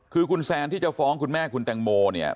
คือคุณแซนที่จะฟ้องคุณแม่คุณแตงโมเนี่ย